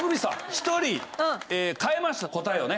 １人変えました答えをね。